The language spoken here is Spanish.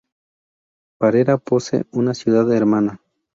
Parera posee una ciudad hermana.